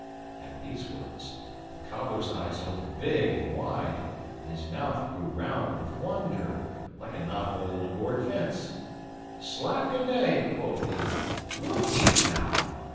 At these words the Cobbler's eyes opened big and wide, and his mouth grew round with wonder, like a knothole in a board fence, "slack a day," quoth he, "look ye, now!